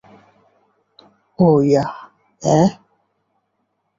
ও yeah - এহ?